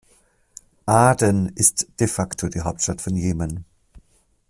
Aden ist de facto die Hauptstadt von Jemen.